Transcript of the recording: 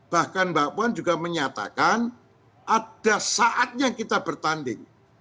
bahkan mbak puan juga menyatakan ada saatnya kita bertanding